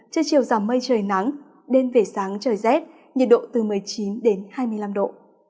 trên chiều giảm mây trời nắng đêm về sáng trời dết nhiệt độ từ một mươi chín hai mươi năm độ